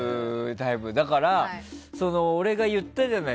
だから、俺が言ったじゃない。